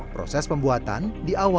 proses pembuatan diawal dikawal